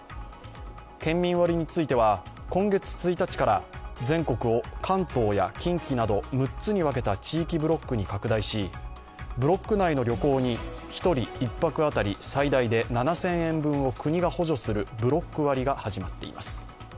県民割については、今月１日から、全国を関東や近畿など６つに分けた地域ブロックに拡大しブロック内の旅行に１人１泊当たり最大で７０００円分を国が補助するブロック割が始まっています。